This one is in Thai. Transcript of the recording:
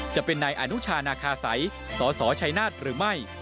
จะเป็นนายอนุชานาคาสัยสสชัยนาฏหรือไม่